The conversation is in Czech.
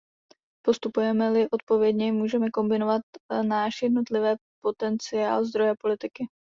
Postupujeme-li odpovědně, můžeme kombinovat náš jednotlivé potenciál, zdroje a politiky.